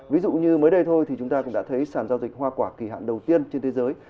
ví dụ như mới đây thôi thì chúng ta cũng đã thấy sản giao dịch hoa quả kỳ hạn đầu tiên trên thế giới